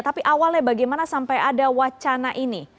tapi awalnya bagaimana sampai ada wacana ini